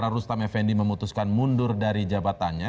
rustom fnd memutuskan mundur dari jabatannya